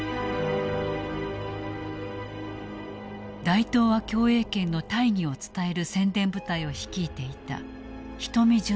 大東亜共栄圏の大義を伝える宣伝部隊を率いていた人見潤介。